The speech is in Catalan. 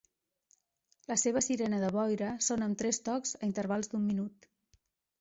La seva sirena de boira sona amb tres tocs a intervals d'un minut.